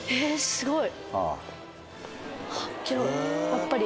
すごい！